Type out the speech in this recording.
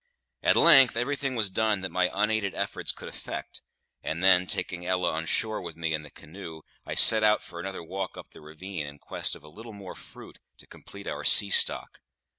At length everything was done that my unaided efforts could effect; and then, taking Ella on shore with me in the canoe, I set out for another walk up the ravine in quest of a little more fruit, to complete our sea stock.